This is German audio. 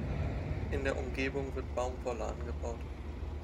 In der Umgebung wird Baumwolle angebaut.